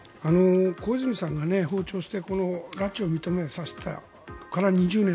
小泉さんが訪朝して拉致を認めさせてから２０年。